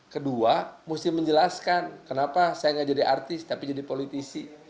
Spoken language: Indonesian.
kedua mesti menjelaskan kenapa saya nggak jadi artis tapi jadi politisi